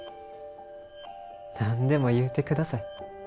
何でも言うて下さい。